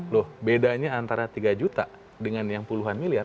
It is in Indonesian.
loh bedanya antara tiga juta dengan yang puluhan miliar